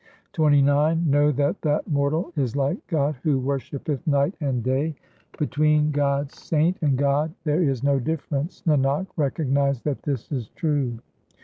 XXIX Know that that mortal is like God who worshippeth night and day ; Between God's saint and God there is no difference ; Nanak, recognize that this is true.